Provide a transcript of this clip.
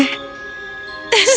aku akan mengingatnya